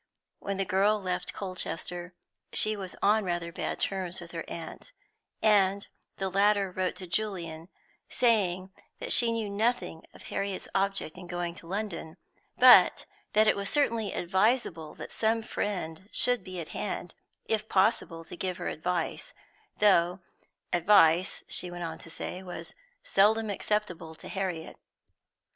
When the girl left Colchester, she was on rather bad terms with her aunt, and the latter wrote to Julian, saying that she knew nothing of Harriet's object in going to London, but that it was certainly advisable that some friend should be at hand, if possible, to give her advice; though advice (she went on to say) was seldom acceptable to Harriet.